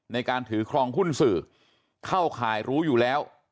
ในการถือครองหุ้นสื่อเข้าข่ายรู้อยู่แล้ว